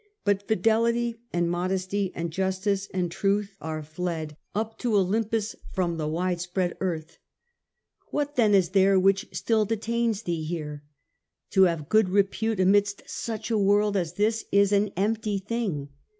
But fidelity and modesty and justice and truth are fled 122 The Age oj the Antonines, A,J), Up to Olympus from the wide spread earth. What then is there which still detains thee here ? To have good repute amidst such a world as this is an empty thing.